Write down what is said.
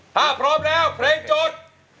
ถ้าพร้อมแล้วเพลงโจทย์